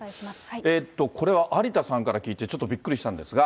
これは有田さんから聞いて、ちょっとびっくりしたんですが。